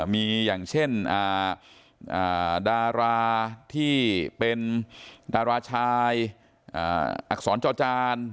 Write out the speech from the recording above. มีอย่างเช่นดาราที่เป็นดาราชายอักษรจอจาน